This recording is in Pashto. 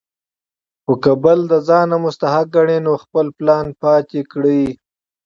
خو کۀ بل د ځان نه مستحق ګڼي نو خپل پلان پاتې کړي ـ